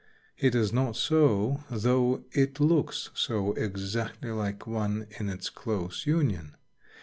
It is not so, though it looks so exactly like one in its close union.